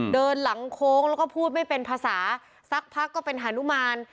เดินหลังโค้งแล้วก็พูดไม่เป็นภาษาสักพักก็เป็นฮานุมาน